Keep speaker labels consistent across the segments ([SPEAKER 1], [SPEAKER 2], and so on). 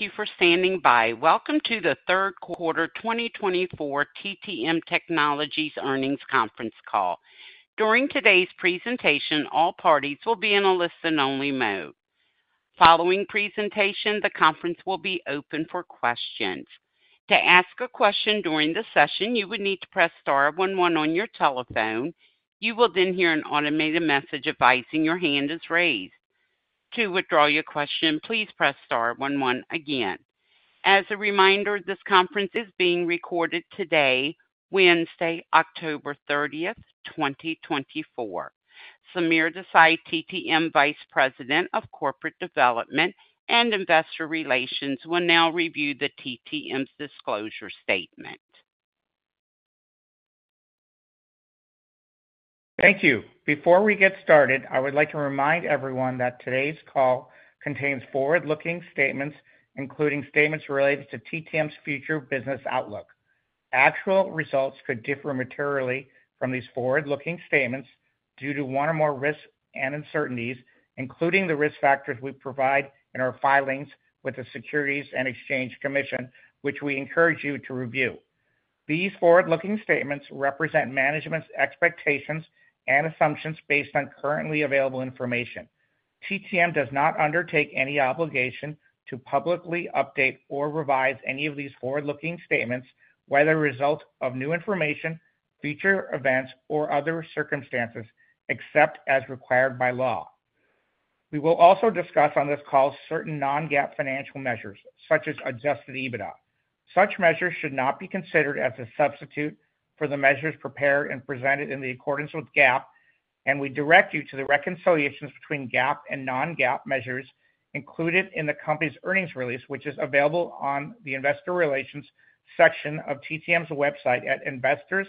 [SPEAKER 1] Thank you for standing by. Welcome to the Q3 2024 TTM Earnings Conference Call. during today's presentation, all parties will be in a listen-only mode. Following presentation, the conference will be open for questions. To ask a question during the session, you would need to press star 11 on your telephone. You will then hear an automated message advising your hand is raised. To withdraw your question, please press star 11 again. As a reminder, this conference is being recorded today, Wednesday, October 30th, 2024. Sameer Desai, TTM Vice President of Corporate Development and Investor Relations, will now review the TTM's disclosure statement.
[SPEAKER 2] Thank you. Before we get started, I would like to remind everyone that today's call contains forward-looking statements, including statements related to TTM's future business outlook. Actual results could differ materially from these forward-looking statements due to one or more risks and uncertainties, including the risk factors we provide in our filings with the Securities and Exchange Commission, which we encourage you to review. These forward-looking statements represent management's expectations and assumptions based on currently available information. TTM does not undertake any obligation to publicly update or revise any of these forward-looking statements, whether a result of new information, future events, or other circumstances, except as required by law. We will also discuss on this call certain non-GAAP financial measures, such as Adjusted EBITDA. Such measures should not be considered as a substitute for the measures prepared and presented in accordance with GAAP, and we direct you to the reconciliations between GAAP and non-GAAP measures included in the company's earnings release, which is available on the Investor Relations section of TTM's website at investors.ttm.com.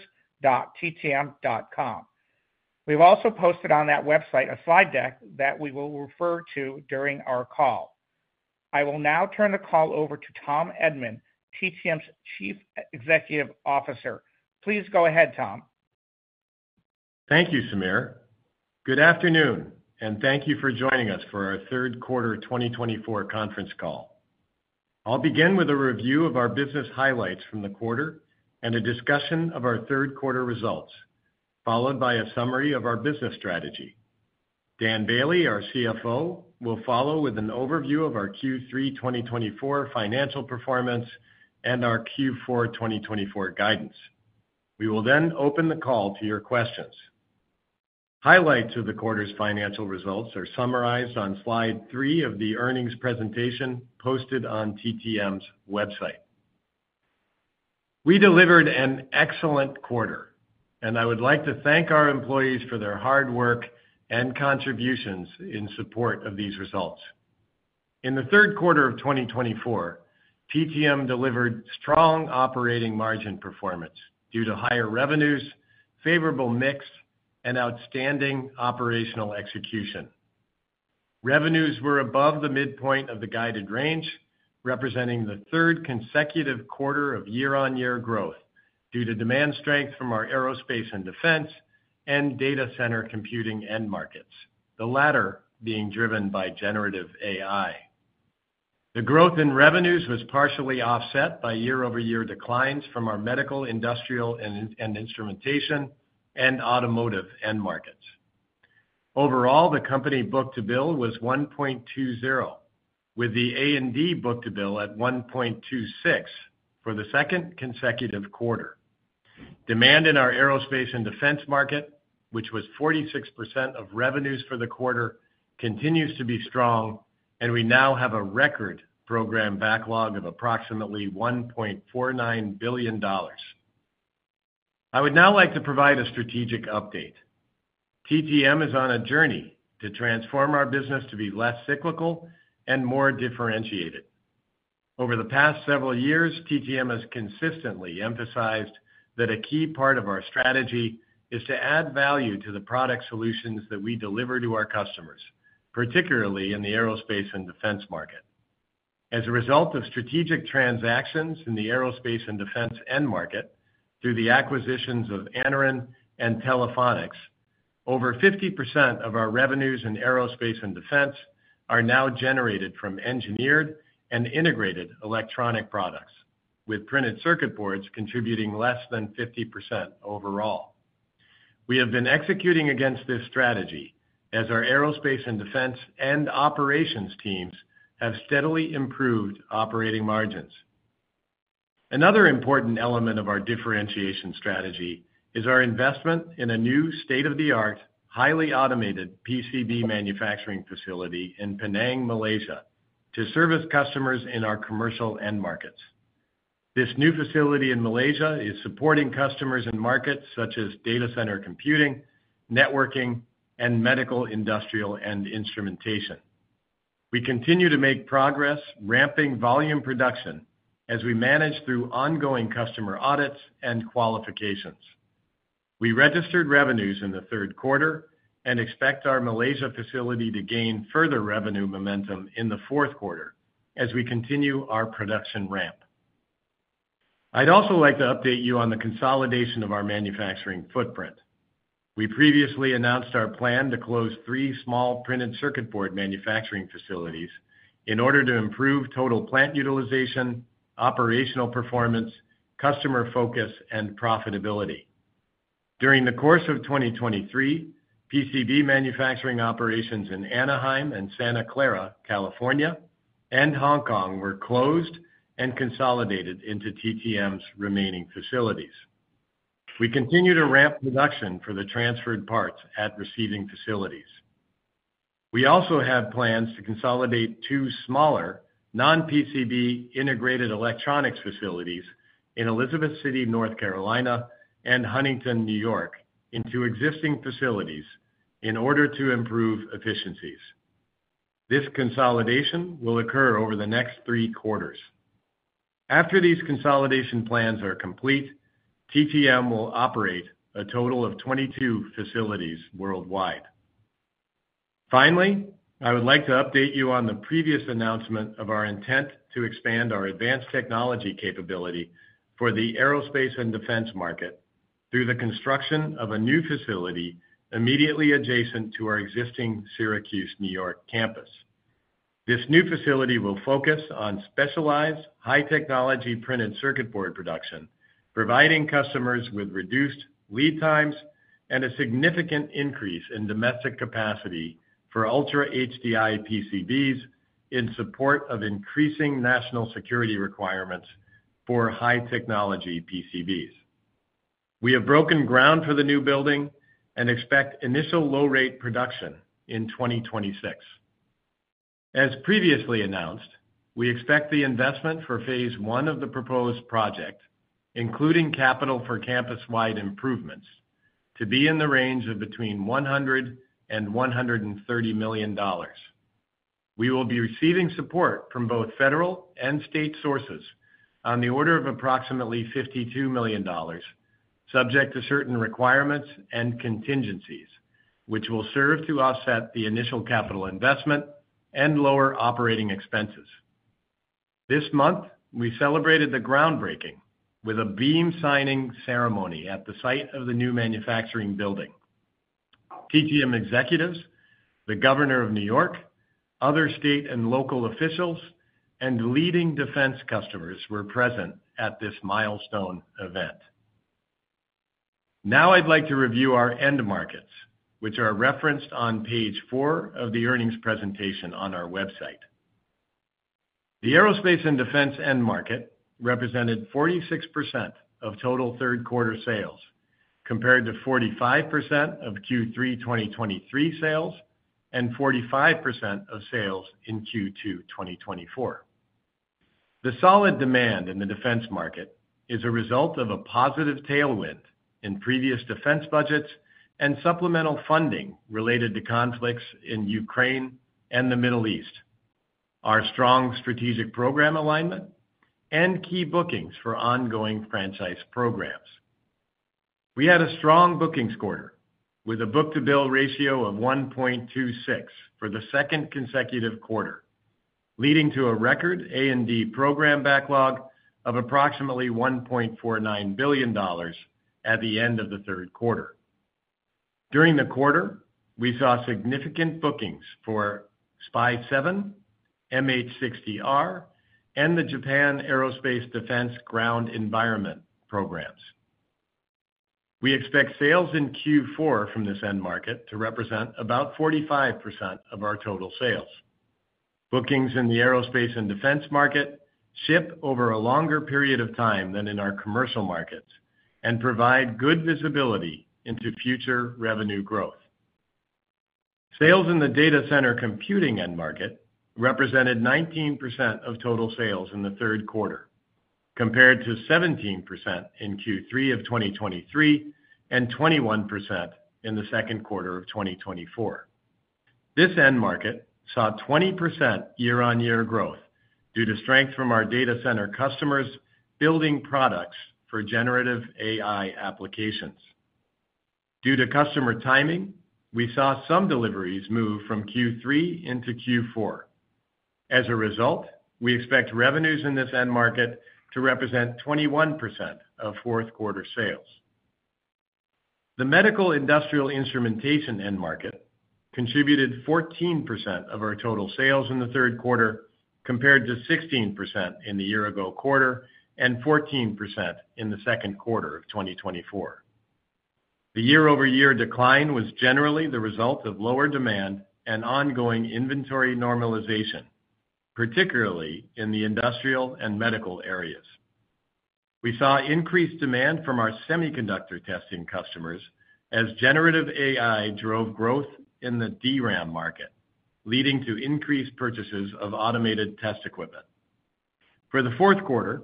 [SPEAKER 2] We've also posted on that website a slide deck that we will refer to during our call. I will now turn the call over to Tom Edman, TTM's Chief Executive Officer. Please go ahead, Tom.
[SPEAKER 3] Thank you, Sameer. Good afternoon, and thank you for joining us for our Q3 2024 Conference Call. I'll begin with a review of our business highlights from the quarter and a discussion of our Q3 results, followed by a summary of our business strategy. Dan Bailey, our CFO, will follow with an overview of our Q3 2024 financial performance and our Q4 2024 guidance. We will then open the call to your questions. Highlights of the quarter's financial results are summarized on slide three of the earnings presentation posted on TTM's website. We delivered an excellent quarter, and I would like to thank our employees for their hard work and contributions in support of these results. In the Q3 of 2024, TTM delivered strong operating margin performance due to higher revenues, favorable mix, and outstanding operational execution. Revenues were above the midpoint of the guided range, representing the third consecutive quarter of year-on-year growth due to demand strength from our aerospace and defense and data center computing end markets, the latter being driven by Generative AI. The growth in revenues was partially offset by year-over-year declines from our medical, industrial, and instrumentation and automotive end markets. Overall, the company book-to-bill was 1.20, with the A&D book-to-bill at 1.26 for the second consecutive quarter. Demand in our aerospace and defense market, which was 46% of revenues for the quarter, continues to be strong, and we now have a record program backlog of approximately $1.49 billion. I would now like to provide a strategic update. TTM is on a journey to transform our business to be less cyclical and more differentiated. Over the past several years, TTM has consistently emphasized that a key part of our strategy is to add value to the product solutions that we deliver to our customers, particularly in the aerospace and defense market. As a result of strategic transactions in the aerospace and defense end market through the acquisitions of Anaren and Telephonics, over 50% of our revenues in aerospace and defense are now generated from engineered and integrated electronic products, with printed circuit boards contributing less than 50% overall. We have been executing against this strategy as our aerospace and defense and operations teams have steadily improved operating margins. Another important element of our differentiation strategy is our investment in a new state-of-the-art, highly automated PCB manufacturing facility in Penang, Malaysia, to service customers in our commercial end markets. This new facility in Malaysia is supporting customers in markets such as data center computing, networking, and medical industrial and instrumentation. We continue to make progress, ramping volume production as we manage through ongoing customer audits and qualifications. We registered revenues in the Q3 and expect our Malaysia facility to gain further revenue momentum in the Q4 as we continue our production ramp. I'd also like to update you on the consolidation of our manufacturing footprint. We previously announced our plan to close three small printed circuit board manufacturing facilities in order to improve total plant utilization, operational performance, customer focus, and profitability. During the course of 2023, PCB manufacturing operations in Anaheim and Santa Clara, California, and Hong Kong were closed and consolidated into TTM's remaining facilities. We continue to ramp production for the transferred parts at receiving facilities. We also have plans to consolidate two smaller non-PCB integrated electronics facilities in Elizabeth City, North Carolina, and Huntington, New York, into existing facilities in order to improve efficiencies. This consolidation will occur over the next three quarters. After these consolidation plans are complete, TTM will operate a total of 22 facilities worldwide. Finally, I would like to update you on the previous announcement of our intent to expand our advanced technology capability for the aerospace and defense market through the construction of a new facility immediately adjacent to our existing Syracuse, New York, campus. This new facility will focus on specialized, high-technology printed circuit board production, providing customers with reduced lead times and a significant increase in domestic capacity for Ultra HDI PCBs in support of increasing national security requirements for high-technology PCBs. We have broken ground for the new building and expect initial low-rate production in 2026. As previously announced, we expect the investment for phase one of the proposed project, including capital for campus-wide improvements, to be in the range of between $100 and $130 million. We will be receiving support from both federal and state sources on the order of approximately $52 million, subject to certain requirements and contingencies, which will serve to offset the initial capital investment and lower operating expenses. This month, we celebrated the groundbreaking with a beam signing ceremony at the site of the new manufacturing building. TTM executives, the Governor of New York, other state and local officials, and leading defense customers were present at this milestone event. Now I'd like to review our end markets, which are referenced on page four of the earnings presentation on our website. The aerospace and defense end market represented 46% of total Q3 sales, compared to 45% of Q3 2023 sales and 45% of sales in Q2 2024. The solid demand in the defense market is a result of a positive tailwind in previous defense budgets and supplemental funding related to conflicts in Ukraine and the Middle East, our strong strategic program alignment, and key bookings for ongoing franchise programs. We had a strong bookings quarter with a book-to-bill ratio of 1.26 for the second consecutive quarter, leading to a record A&D program backlog of approximately $1.49 billion at the end of the Q3. During the quarter, we saw significant bookings for SPY-7, MH-60R, and the Japan Aerospace Defense Ground Environment programs. We expect sales in Q4 from this end market to represent about 45% of our total sales. Bookings in the aerospace and defense market ship over a longer period of time than in our commercial markets and provide good visibility into future revenue growth. Sales in the data center computing end market represented 19% of total sales in the Q3, compared to 17% in Q3 of 2023 and 21% in the Q2 of 2024. This end market saw 20% year-on-year growth due to strength from our data center customers building products for generative AI applications. Due to customer timing, we saw some deliveries move from Q3 into Q4. As a result, we expect revenues in this end market to represent 21% of Q4 sales. The medical industrial instrumentation end market contributed 14% of our total sales in the Q3, compared to 16% in the year-ago quarter and 14% in the Q2 of 2024. The year-over-year decline was generally the result of lower demand and ongoing inventory normalization, particularly in the industrial and medical areas. We saw increased demand from our semiconductor testing customers as generative AI drove growth in the DRAM market, leading to increased purchases of automated test equipment. For the Q4,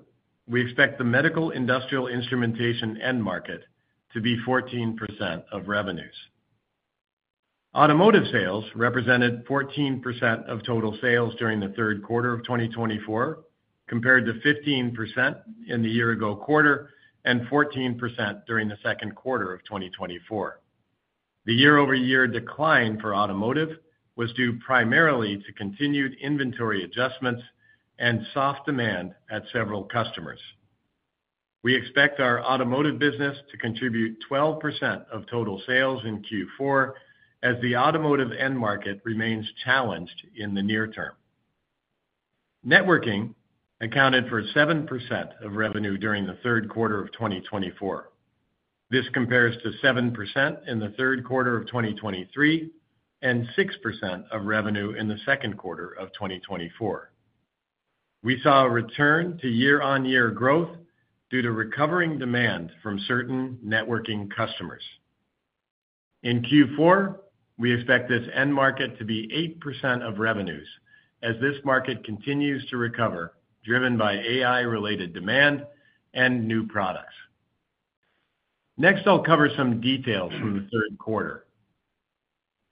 [SPEAKER 3] we expect the medical industrial instrumentation end market to be 14% of revenues. Automotive sales represented 14% of total sales during the Q3 of 2024, compared to 15% in the year-ago quarter and 14% during the Q2 of 2024. The year-over-year decline for automotive was due primarily to continued inventory adjustments and soft demand at several customers. We expect our automotive business to contribute 12% of total sales in Q4 as the automotive end market remains challenged in the near term. Networking accounted for 7% of revenue during the Q3 of 2024. This compares to 7% in the Q3 of 2023 and 6% of revenue in the Q2 of 2024. We saw a return to year-on-year growth due to recovering demand from certain networking customers. In Q4, we expect this end market to be 8% of revenues as this market continues to recover, driven by AI-related demand and new products. Next, I'll cover some details from the Q3.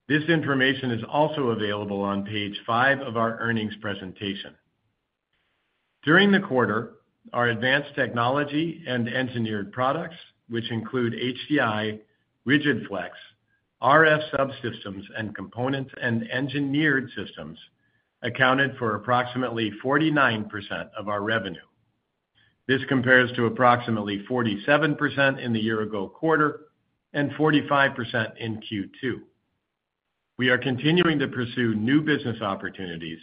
[SPEAKER 3] This information is also available on page five of our earnings presentation. During the quarter, our advanced technology and engineered products, which include HDI, Rigid-Flex, RF subsystems, and components and engineered systems, accounted for approximately 49% of our revenue. This compares to approximately 47% in the year-ago quarter and 45% in Q2. We are continuing to pursue new business opportunities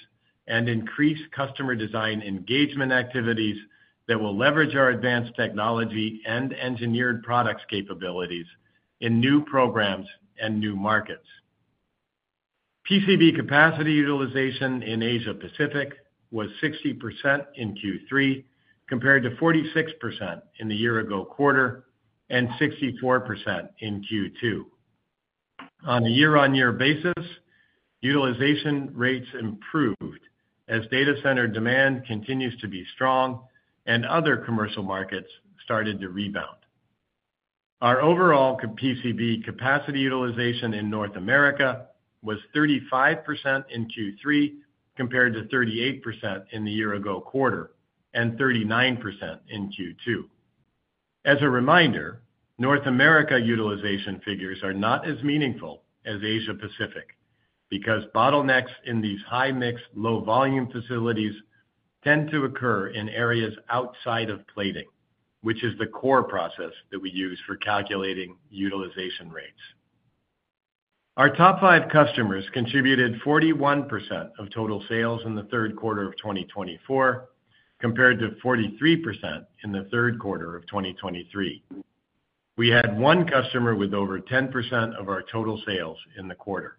[SPEAKER 3] and increase customer design engagement activities that will leverage our advanced technology and engineered products capabilities in new programs and new markets. PCB capacity utilization in Asia-Pacific was 60% in Q3, compared to 46% in the year-ago quarter and 64% in Q2. On a year-on-year basis, utilization rates improved as data center demand continues to be strong and other commercial markets started to rebound. Our overall PCB capacity utilization in North America was 35% in Q3, compared to 38% in the year-ago quarter and 39% in Q2. As a reminder, North America utilization figures are not as meaningful as Asia-Pacific because bottlenecks in these high-mix, low-volume facilities tend to occur in areas outside of plating, which is the core process that we use for calculating utilization rates. Our top five customers contributed 41% of total sales in the Q3 of 2024, compared to 43% in the Q3 of 2023. We had one customer with over 10% of our total sales in the quarter.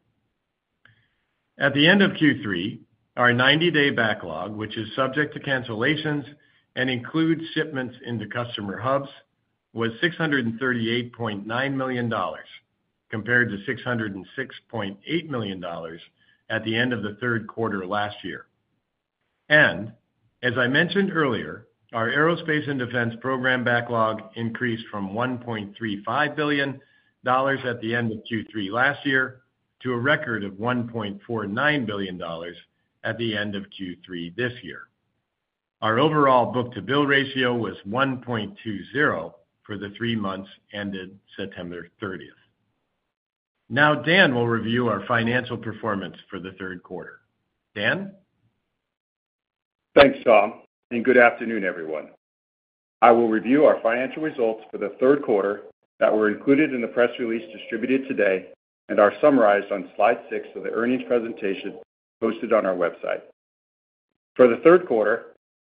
[SPEAKER 3] At the end of Q3, our 90-day backlog, which is subject to cancellations and includes shipments into customer hubs, was $638.9 million, compared to $606.8 million at the end of the Q3 last year. As I mentioned earlier, our aerospace and defense program backlog increased from $1.35 billion at the end of Q3 last year to a record of $1.49 billion at the end of Q3 this year. Our overall book-to-bill ratio was 1.20 for the three months ended September 30th. Now, Dan will review our financial performance for the Q3. Dan?
[SPEAKER 4] Thanks, Tom, and good afternoon, everyone. I will review our financial results for the Q3 that were included in the press release distributed today and are summarized on slide six of the earnings presentation posted on our website. For the Q3,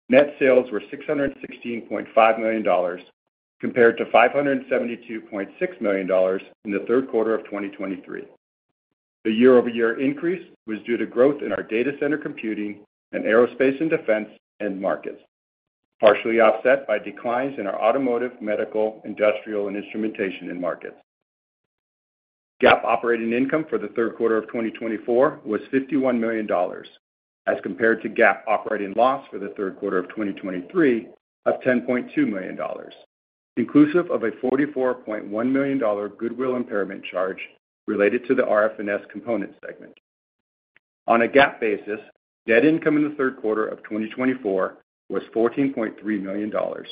[SPEAKER 4] net sales were $616.5 million, compared to $572.6 million in the Q3 of 2023. The year-over-year increase was due to growth in our data center computing and aerospace and defense end markets, partially offset by declines in our automotive, medical, industrial, and instrumentation end markets. GAAP operating income for the Q3 of 2024 was $51 million, as compared to GAAP operating loss for the Q3 of 2023 of $10.2 million, inclusive of a $44.1 million goodwill impairment charge related to the RF&S component segment. On a GAAP basis, net income in the Q3 of 2024 was $14.3 million, or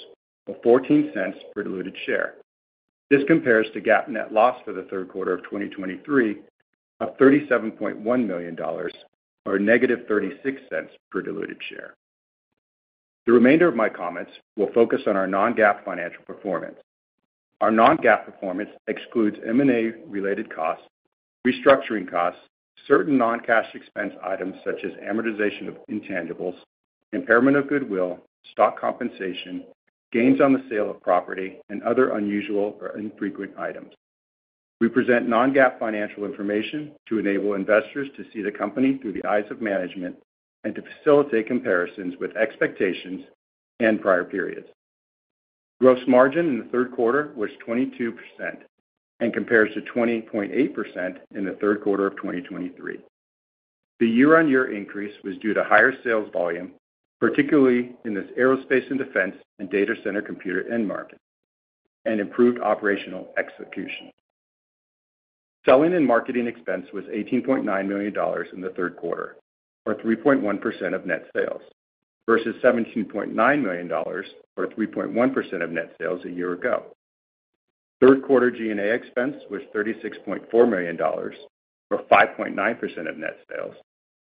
[SPEAKER 4] $0.14 per diluted share. This compares to GAAP net loss for the Q3 of 2023 of $37.1 million, or negative $0.36 per diluted share. The remainder of my comments will focus on our non-GAAP financial performance. Our non-GAAP performance excludes M&A-related costs, restructuring costs, certain non-cash expense items such as amortization of intangibles, impairment of goodwill, stock compensation, gains on the sale of property, and other unusual or infrequent items. We present non-GAAP financial information to enable investors to see the company through the eyes of management and to facilitate comparisons with expectations and prior periods. Gross margin in the Q3 was 22% and compares to 20.8% in the Q3 of 2023. The year-on-year increase was due to higher sales volume, particularly in this aerospace and defense and data center computer end market, and improved operational execution. Selling and marketing expense was $18.9 million in the Q3, or 3.1% of net sales, versus $17.9 million or 3.1% of net sales a year ago. Q3 G&A expense was $36.4 million, or 5.9% of net sales,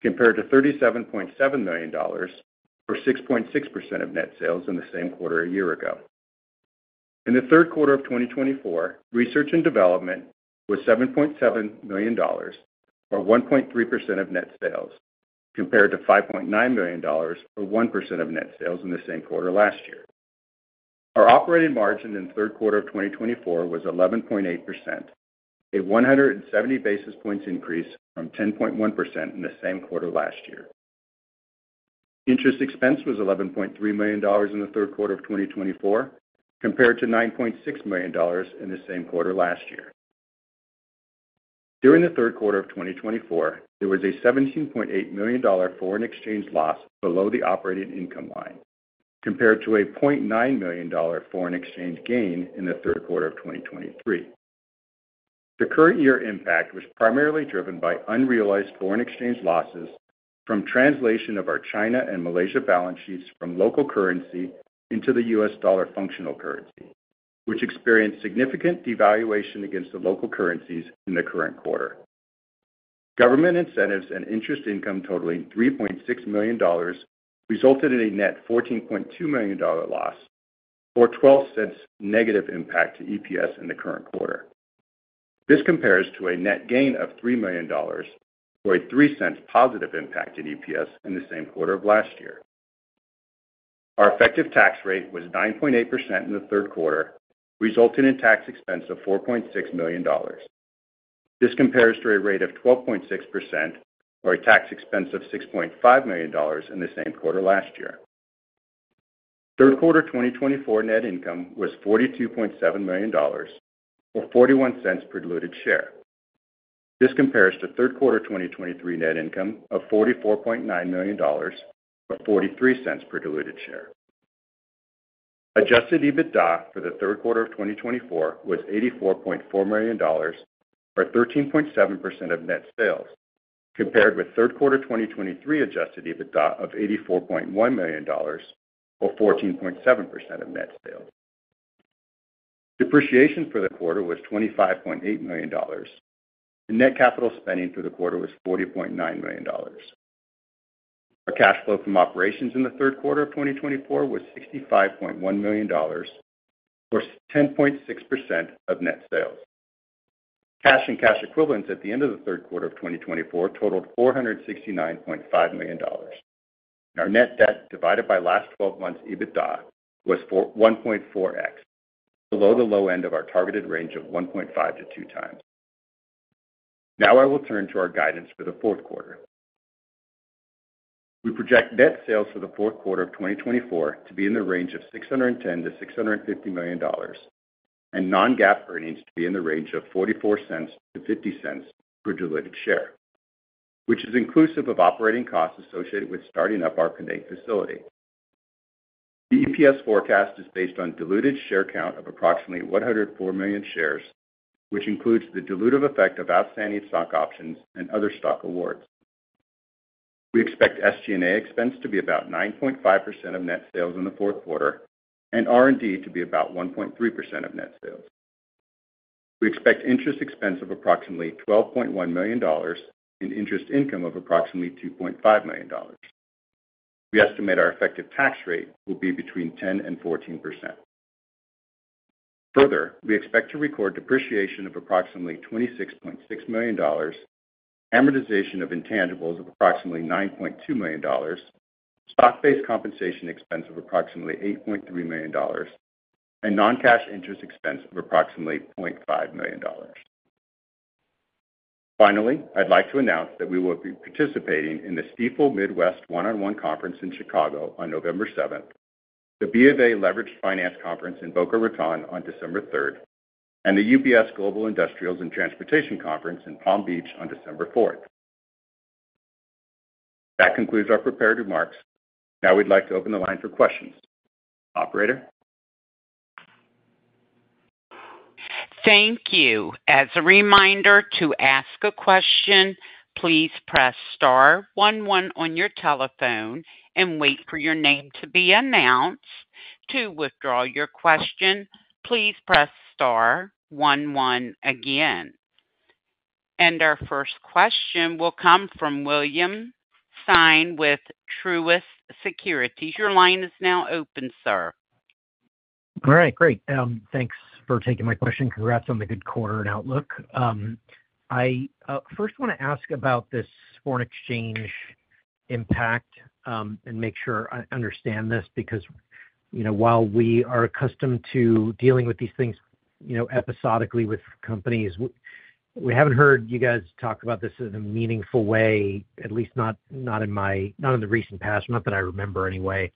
[SPEAKER 4] compared to $37.7 million or 6.6% of net sales in the same quarter a year ago. In the Q3 of 2024, research and development was $7.7 million, or 1.3% of net sales, compared to $5.9 million, or 1% of net sales in the same quarter last year. Our operating margin in the Q3 of 2024 was 11.8%, a 170 basis points increase from 10.1% in the same quarter last year. Interest expense was $11.3 million in the Q3 of 2024, compared to $9.6 million in the same quarter last year. During the Q3 of 2024, there was a $17.8 million foreign exchange loss below the operating income line, compared to a $0.9 million foreign exchange gain in the Q3 of 2023. The current year impact was primarily driven by unrealized foreign exchange losses from translation of our China and Malaysia balance sheets from local currency into the U.S. dollar functional currency, which experienced significant devaluation against the local currencies in the current quarter. Government incentives and interest income totaling $3.6 million resulted in a net $14.2 million loss, or $0.12 negative impact to EPS in the current quarter. This compares to a net gain of $3 million or a $0.03 positive impact in EPS in the same quarter of last year. Our effective tax rate was 9.8% in the Q3, resulting in tax expense of $4.6 million. This compares to a rate of 12.6% or a tax expense of $6.5 million in the same quarter last year. Q3 2024 net income was $42.7 million, or $0.41 per diluted share. This compares to Q3 2023 net income of $44.9 million, or $0.43 per diluted share. Adjusted EBITDA for the Q3 of 2024 was $84.4 million, or 13.7% of net sales, compared with Q3 2023 adjusted EBITDA of $84.1 million, or 14.7% of net sales. Depreciation for the quarter was $25.8 million. The net capital spending for the quarter was $40.9 million. Our cash flow from operations in the Q3 of 2024 was $65.1 million, or 10.6% of net sales. Cash and cash equivalents at the end of the Q3 of 2024 totaled $469.5 million. Our net debt divided by last 12 months' EBITDA was 1.4x, below the low end of our targeted range of 1.5-2 times. Now I will turn to our guidance for the Q4. We project net sales for the Q4 of 2024 to be in the range of $610-$650 million, and non-GAAP earnings to be in the range of $0.44-$0.50 per diluted share, which is inclusive of operating costs associated with starting up our Penang facility. The EPS forecast is based on diluted share count of approximately 104 million shares, which includes the dilutive effect of outstanding stock options and other stock awards. We expect SG&A expense to be about 9.5% of net sales in the Q4 and R&D to be about 1.3% of net sales. We expect interest expense of approximately $12.1 million and interest income of approximately $2.5 million. We estimate our effective tax rate will be between 10% and 14%. Further, we expect to record depreciation of approximately $26.6 million, amortization of intangibles of approximately $9.2 million, stock-based compensation expense of approximately $8.3 million, and non-cash interest expense of approximately $0.5 million. Finally, I'd like to announce that we will be participating in the Stifel Midwest One-on-One Conference in Chicago on November 7th, the B of A Leveraged Finance Conference in Boca Raton on December 3rd, and the UBS Global Industrials and Transportation Conference in Palm Beach on December 4th. That concludes our prepared remarks. Now we'd like to open the line for questions. Operator?
[SPEAKER 1] Thank you. As a reminder, to ask a question, please press star 11 on your telephone and wait for your name to be announced. To withdraw your question, please press star 11 again. Our first question will come from William Stein with Truist Securities. Your line is now open, sir.
[SPEAKER 5] All right. Great. Thanks for taking my question. Congrats on the good quarter and outlook. I first want to ask about this foreign exchange impact and make sure I understand this because while we are accustomed to dealing with these things episodically with companies, we haven't heard you guys talk about this in a meaningful way, at least not in the recent past, not that I remember anyway.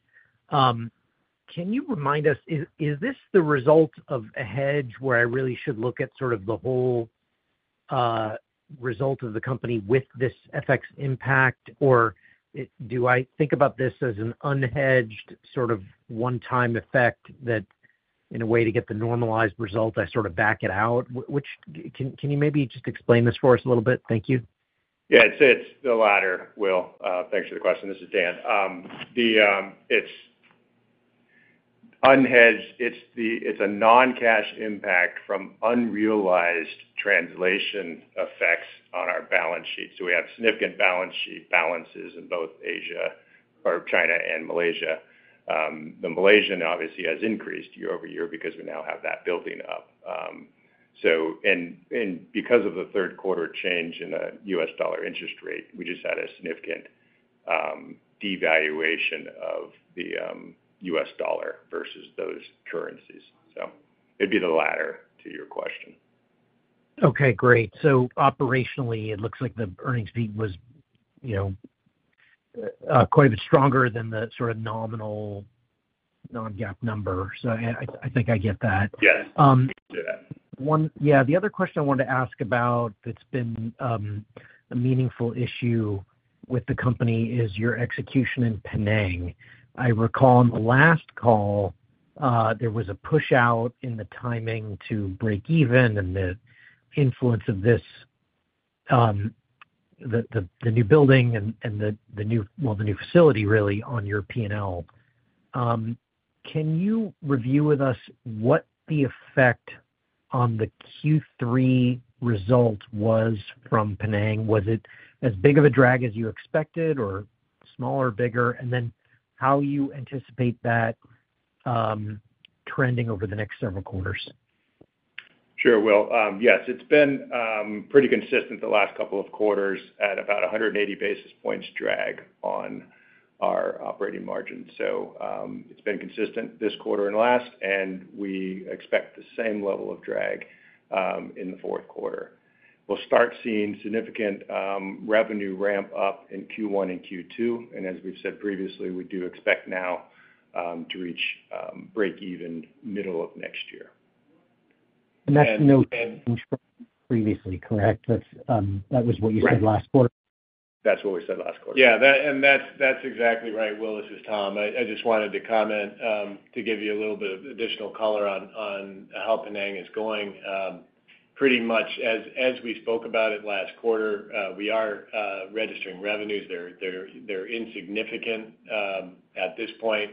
[SPEAKER 5] Can you remind us, is this the result of a hedge where I really should look at sort of the whole result of the company with this FX impact, or do I think about this as an unhedged sort of one-time effect that in a way to get the normalized result, I sort of back it out? Can you maybe just explain this for us a little bit? Thank you.
[SPEAKER 4] Yeah. It's the latter, Will. Thanks for the question. This is Dan. It's unhedged. It's a non-cash impact from unrealized translation effects on our balance sheet. So we have significant balance sheet balances in both Asia or China and Malaysia. The Malaysian obviously has increased year over year because we now have that building up. And because of the Q3 change in the U.S. dollar interest rate, we just had a significant devaluation of the U.S. dollar versus those currencies. So it'd be the latter to your question.
[SPEAKER 5] Okay. Great. So operationally, it looks like the earnings peak was quite a bit stronger than the sort of nominal non-GAAP number. So I think I get that. Yes. Yeah. The other question I wanted to ask about that's been a meaningful issue with the company is your execution in Penang. I recall in the last call, there was a push out in the timing to break even and the influence of the new building and the new, well, the new facility really on your P&L. Can you review with us what the effect on the Q3 result was from Penang? Was it as big of a drag as you expected or smaller, bigger? And then how you anticipate that trending over the next several quarters?
[SPEAKER 4] Sure. Well, yes. It's been pretty consistent the last couple of quarters at about 180 basis points drag on our operating margin. So it's been consistent this quarter and last, and we expect the same level of drag in the Q4. We'll start seeing significant revenue ramp up in Q1 and Q2. As we've said previously, we do expect now to reach break-even middle of next year.
[SPEAKER 5] That's no change from previously, correct? That was what you said last quarter.
[SPEAKER 3] That's what we said last quarter. Yeah. That's exactly right, Will. This is Tom. I just wanted to comment to give you a little bit of additional color on how Penang is going. Pretty much as we spoke about it last quarter, we are registering revenues. They're insignificant at this point.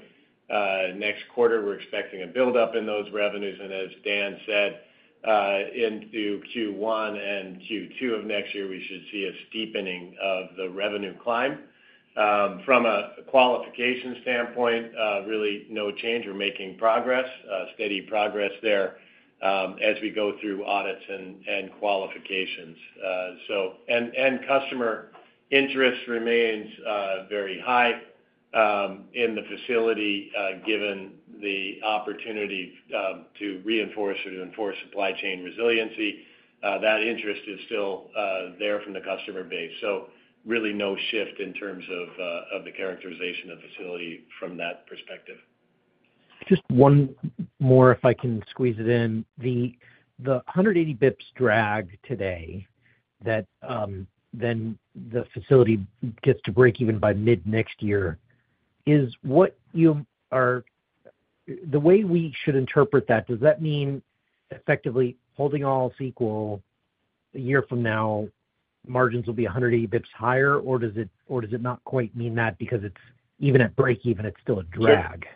[SPEAKER 3] Next quarter, we're expecting a build-up in those revenues. As Dan said, into Q1 and Q2 of next year, we should see a steepening of the revenue climb. From a qualification standpoint, really no change. We're making progress, steady progress there as we go through audits and qualifications. Customer interest remains very high in the facility given the opportunity to reinforce or to enforce supply chain resiliency. That interest is still there from the customer base. So really no shift in terms of the characterization of the facility from that perspective.
[SPEAKER 5] Just one more, if I can squeeze it in. The 180 basis points drag today that then the facility gets to break even by mid-next year is that the way we should interpret that, does that mean effectively holding all else equal a year from now, margins will be 180 basis points higher, or does it not quite mean that because even at break-even, it's still a drag?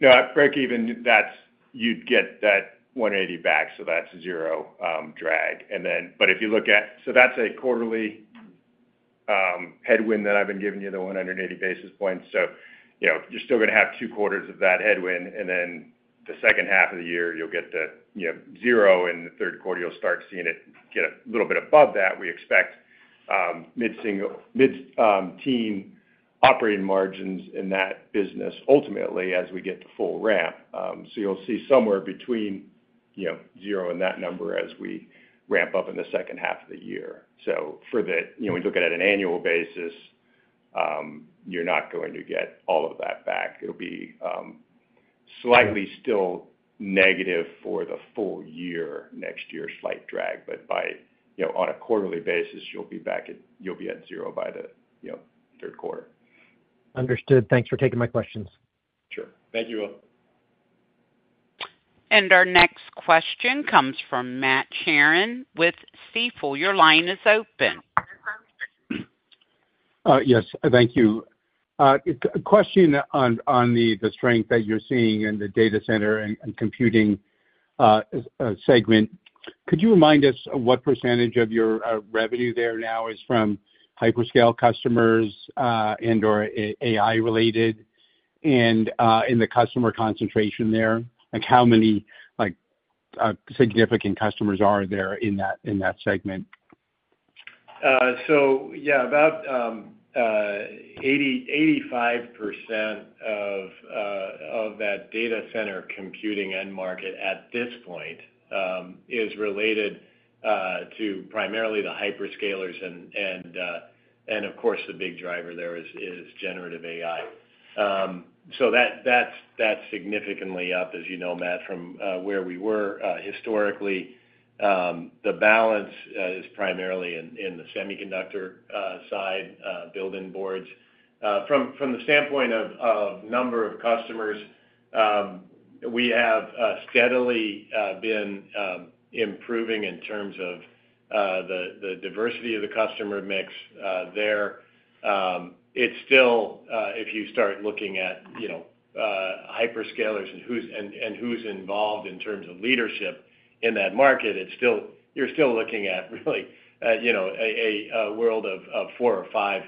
[SPEAKER 4] Yeah. Break-even, you'd get that 180 back. So that's zero drag. But if you look at, so that's a quarterly headwind that I've been giving you, the 180 basis points. So you're still going to have two quarters of that headwind. And then the second half of the year, you'll get the zero. In the Q3, you'll start seeing it get a little bit above that. We expect mid-teen operating margins in that business ultimately as we get the full ramp. So you'll see somewhere between zero and that number as we ramp up in the second half of the year. So we look at it on an annual basis, you're not going to get all of that back. It'll be slightly still negative for the full year, next year's slight drag. But on a quarterly basis, you'll be at zero by the Q3.
[SPEAKER 5] Understood. Thanks for taking my questions.
[SPEAKER 4] Sure. Thank you, Will.
[SPEAKER 1] And our next question comes from Matt Sheerin with Stifel. Your line is open. Yes. Thank you.
[SPEAKER 6] Question on the strength that you're seeing in the data center and computing segment. Could you remind us what percentage of your revenue there now is from hyperscale customers and/or AI-related and in the customer concentration there? How many significant customers are there in that segment?
[SPEAKER 3] So yeah, about 85% of that data center computing end market at this point is related to primarily the hyperscalers. And of course, the big driver there is generative AI. So that's significantly up, as you know, Matt, from where we were historically. The balance is primarily in the semiconductor side, building boards. From the standpoint of number of customers, we have steadily been improving in terms of the diversity of the customer mix there. It's still, if you start looking at hyperscalers and who's involved in terms of leadership in that market, you're still looking at really a world of four or five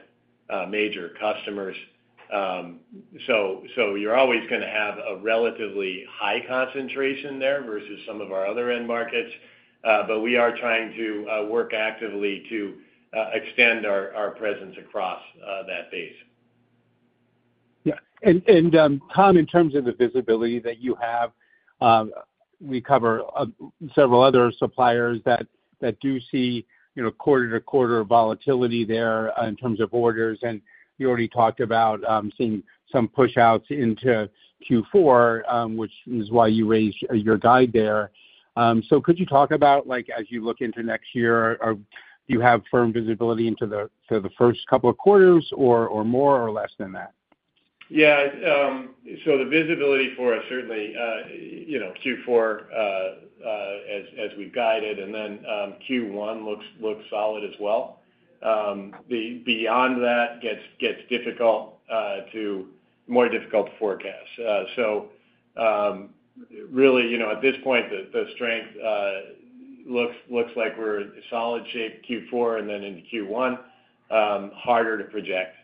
[SPEAKER 3] major customers. So you're always going to have a relatively high concentration there versus some of our other end markets. But we are trying to work actively to extend our presence across that base.
[SPEAKER 6] Yeah. And Tom, in terms of the visibility that you have, we cover several other suppliers that do see quarter-to-quarter volatility there in terms of orders. And you already talked about seeing some push-outs into Q4, which is why you raised your guide there. So could you talk about, as you look into next year, do you have firm visibility into the first couple of quarters or more or less than that?
[SPEAKER 3] Yeah. So the visibility for us certainly Q4, as we've guided, and then Q1 looks solid as well. Beyond that gets difficult, more difficult to forecast. So really, at this point, the strength looks like we're in solid shape Q4 and then into Q1, harder to project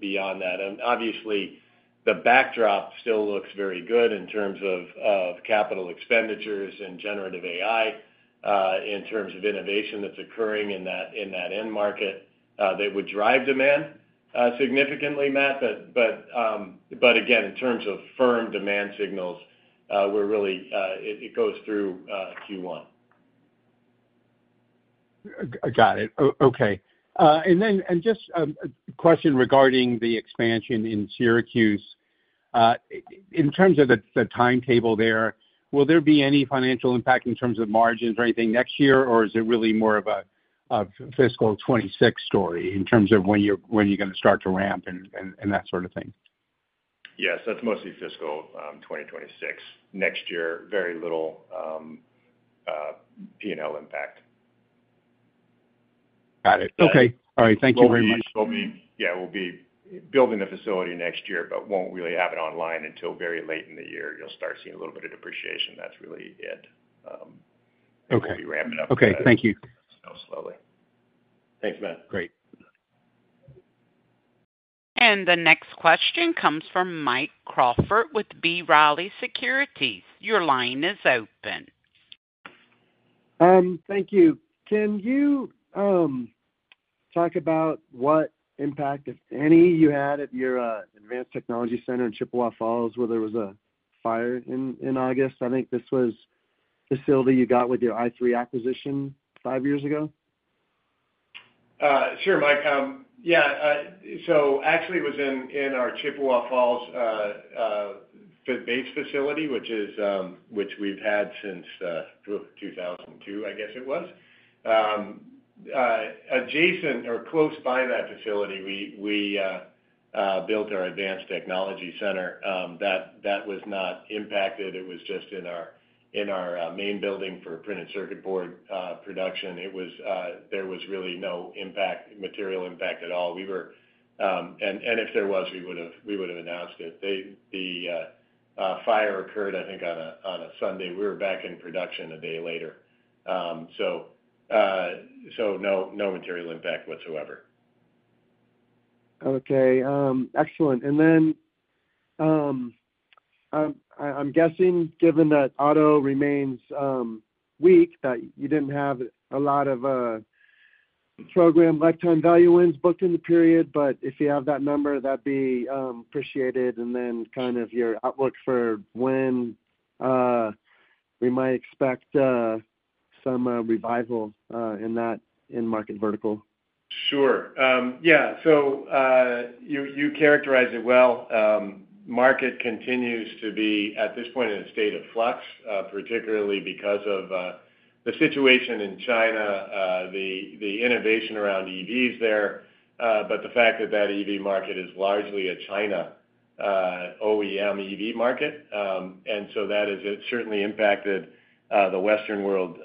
[SPEAKER 3] beyond that. And obviously, the backdrop still looks very good in terms of capital expenditures and generative AI in terms of innovation that's occurring in that end market that would drive demand significantly, Matt. But again, in terms of firm demand signals, it goes through Q1.
[SPEAKER 6] Got it. Okay. And then just a question regarding the expansion in Syracuse. In terms of the timetable there, will there be any financial impact in terms of margins or anything next year, or is it really more of a fiscal 2026 story in terms of when you're going to start to ramp and that sort of thing?
[SPEAKER 4] Yes. That's mostly fiscal 2026. Next year, very little P&L impact. Got it. Okay. All right. Thank you very much. Yeah. We'll be building the facility next year, but won't really have it online until very late in the year. You'll start seeing a little bit of depreciation. That's really it. We'll be ramping up slowly.
[SPEAKER 6] Okay. Thank you.
[SPEAKER 4] Thanks, Matt. Great.
[SPEAKER 1] And the next question comes from Mike Crawford with B. Riley Securities. Your line is open.
[SPEAKER 7] Thank you. Can you talk about what impact, if any, you had at your Advanced Technology Center in Chippewa Falls where there was a fire in August? I think this was the facility you got with your i3 acquisition five years ago.
[SPEAKER 4] Sure, Mike. Yeah. So actually, it was in our Chippewa Falls federal base facility, which we've had since 2002, I guess it was. Adjacent or close by that facility, we built our Advanced Technology Center. That was not impacted. It was just in our main building for printed circuit board production. There was really no impact, material impact at all. And if there was, we would have announced it. The fire occurred, I think, on a Sunday. We were back in production a day later. So no material impact whatsoever.
[SPEAKER 7] Okay. Excellent. And then I'm guessing, given that auto remains weak, that you didn't have a lot of program lifetime value wins booked in the period. But if you have that number, that'd be appreciated. And then kind of your outlook for when we might expect some revival in that in-market vertical.
[SPEAKER 3] Sure. Yeah. So you characterize it well. Market continues to be, at this point, in a state of flux, particularly because of the situation in China, the innovation around EVs there. But the fact that that EV market is largely a China OEM EV market. And so that has certainly impacted the Western world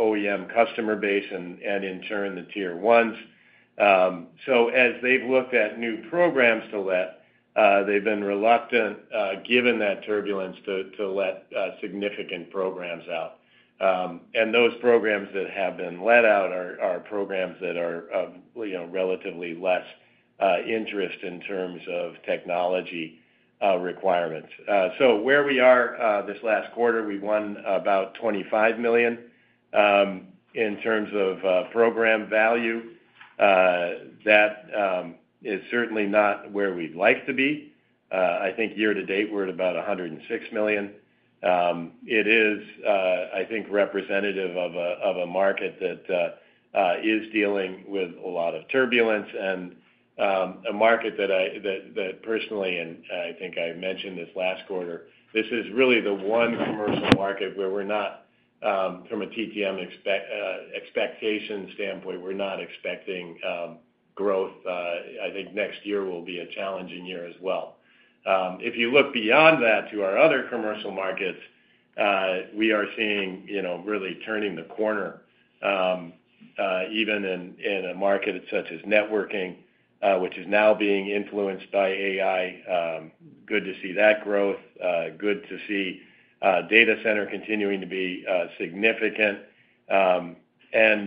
[SPEAKER 3] OEM customer base and, in turn, the tier ones. So as they've looked at new programs to let, they've been reluctant, given that turbulence, to let significant programs out. And those programs that have been let out are programs that are relatively less interest in terms of technology requirements. So where we are this last quarter, we won about $25 million in terms of program value. That is certainly not where we'd like to be. I think year to date, we're at about $106 million. It is, I think, representative of a market that is dealing with a lot of turbulence and a market that personally, and I think I mentioned this last quarter, this is really the one commercial market where we're not, from a TTM expectation standpoint, we're not expecting growth. I think next year will be a challenging year as well. If you look beyond that to our other commercial markets, we are seeing really turning the corner, even in a market such as networking, which is now being influenced by AI. Good to see that growth. Good to see data center continuing to be significant. And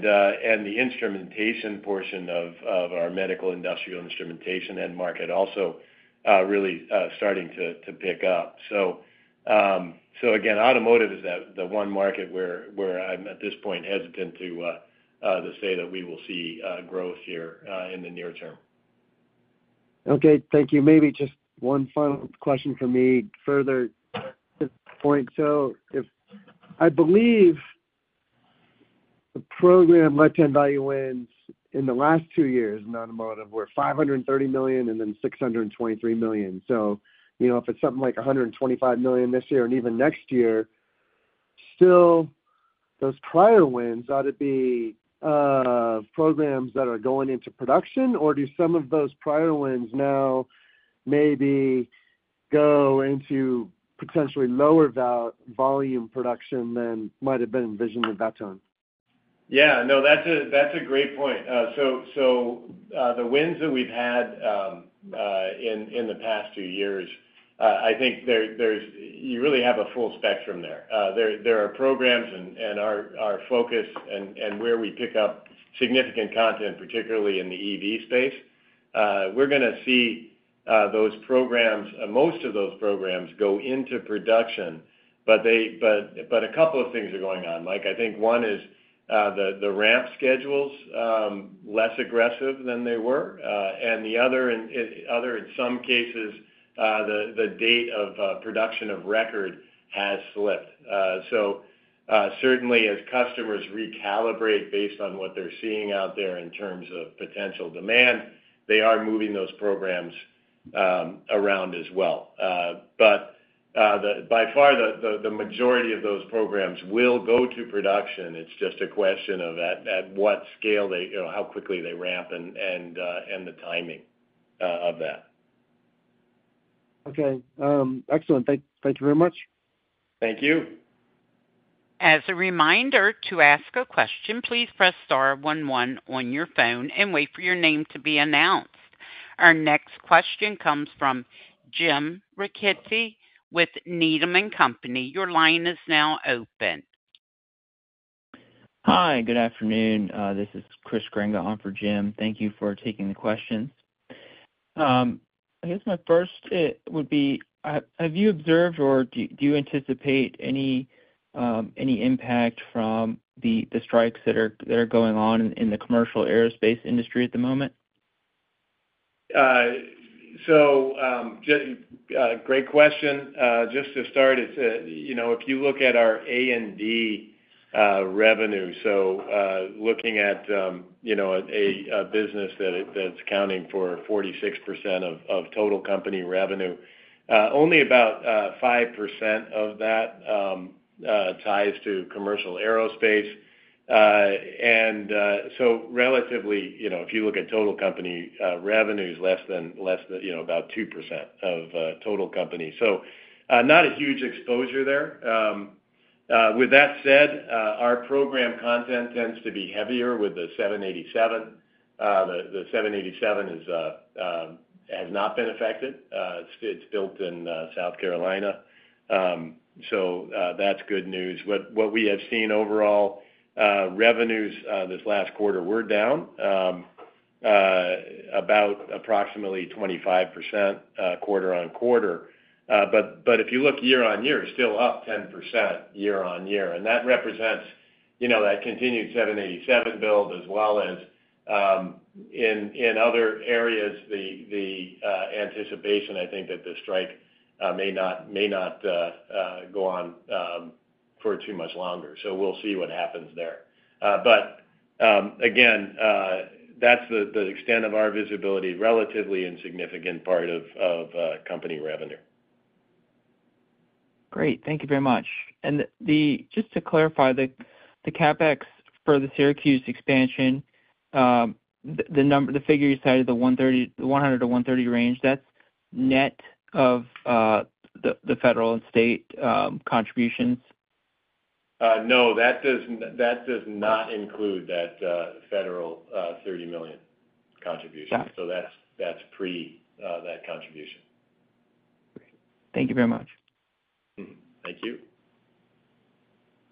[SPEAKER 3] the instrumentation portion of our medical industrial instrumentation end market also really starting to pick up. So again, automotive is the one market where I'm, at this point, hesitant to say that we will see growth here in the near term.
[SPEAKER 7] Okay. Thank you. Maybe just one final question for me further at this point. So I believe the program lifetime value wins in the last two years in automotive were $530 million and then $623 million. So if it's something like $125 million this year and even next year, still, those prior wins ought to be programs that are going into production, or do some of those prior wins now maybe go into potentially lower volume production than might have been envisioned at that time?
[SPEAKER 3] Yeah. No, that's a great point. So the wins that we've had in the past few years, I think you really have a full spectrum there. There are programs and our focus and where we pick up significant content, particularly in the EV space. We're going to see those programs, most of those programs go into production. But a couple of things are going on, Mike. I think one is the ramp schedules less aggressive than they were. And the other, in some cases, the date of production of record has slipped. So certainly, as customers recalibrate based on what they're seeing out there in terms of potential demand, they are moving those programs around as well. But by far, the majority of those programs will go to production. It's just a question of at what scale they how quickly they ramp and the timing of that.
[SPEAKER 7] Okay. Excellent. Thank you very much.
[SPEAKER 3] Thank you.
[SPEAKER 1] As a reminder to ask a question, please press star 11 on your phone and wait for your name to be announced. Our next question comes from Jim Ricchiuti with Needham & Company. Your line is now open.
[SPEAKER 8] Hi. Good afternoon. This is Chris Grenga on for Jim.Thank you for taking the questions. I guess my first would be, have you observed or do you anticipate any impact from the strikes that are going on in the commercial aerospace industry at the moment?
[SPEAKER 3] So great question. Just to start, if you look at our A and D revenue, so looking at a business that's accounting for 46% of total company revenue, only about 5% of that ties to commercial aerospace. And so relatively, if you look at total company revenues, less than about 2% of total company. So not a huge exposure there. With that said, our program content tends to be heavier with the 787. The 787 has not been affected. It's built in South Carolina. So that's good news. What we have seen, overall revenues this last quarter were down about approximately 25% quarter on quarter. But if you look year on year, still up 10% year on year. And that represents that continued 787 build as well as in other areas, the anticipation, I think, that the strike may not go on for too much longer. So we'll see what happens there. But again, that's the extent of our visibility, relatively insignificant part of company revenue. Great. Thank you very much. And just to clarify, the CapEx for the Syracuse expansion, the figure you cited, the $100-$130 range, that's net of the federal and state contributions? No, that does not include that federal $30 million contribution. So that's pre that contribution.
[SPEAKER 8] Thank you very much.
[SPEAKER 3] Thank you.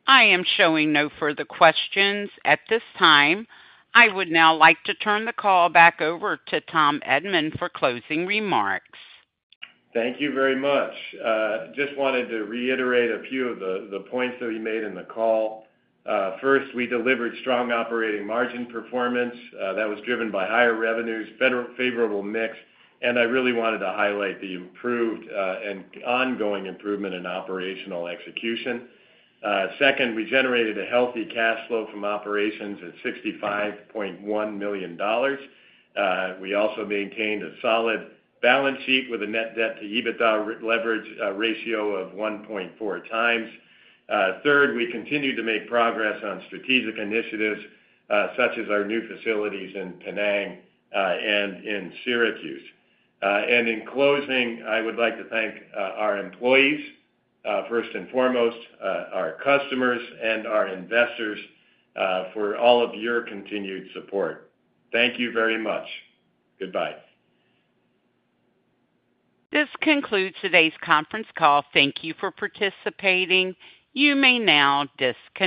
[SPEAKER 1] I am showing no further questions at this time. I would now like to turn the call back over to Tom Edman for closing remarks.
[SPEAKER 3] Thank you very much. Just wanted to reiterate a few of the points that we made in the call. First, we delivered strong operating margin performance that was driven by higher revenues, favorable mix, and I really wanted to highlight the improved and ongoing improvement in operational execution. Second, we generated a healthy cash flow from operations at $65.1 million. We also maintained a solid balance sheet with a net debt to EBITDA leverage ratio of 1.4 times. Third, we continued to make progress on strategic initiatives such as our new facilities in Penang and in Syracuse, and in closing, I would like to thank our employees, first and foremost, our customers, and our investors for all of your continued support. Thank you very much. Goodbye.
[SPEAKER 1] This concludes today's Conference Call. Thank you for participating. You may now disconnect.